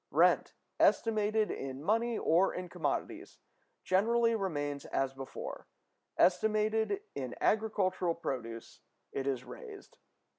Rent, estimated in money or in commodities, generally remains as before; estimated in agricultural produce, it is raised.